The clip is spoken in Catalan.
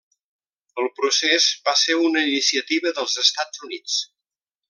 El procés va ser una iniciativa dels Estats Units.